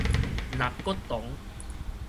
納骨堂